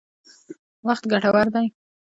وخت ګټور دی.